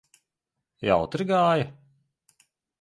Jautri gāja?